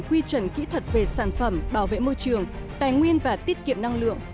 quy chuẩn kỹ thuật về sản phẩm bảo vệ môi trường tài nguyên và tiết kiệm năng lượng